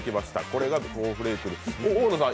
これが「コーンフレーク」。